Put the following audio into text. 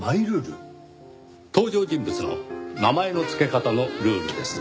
登場人物の名前の付け方のルールです。